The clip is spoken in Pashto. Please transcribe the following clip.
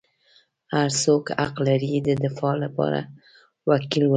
هر څوک حق لري د دفاع لپاره وکیل ولري.